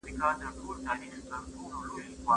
یو ښکاري کرۍ ورځ ښکار نه وو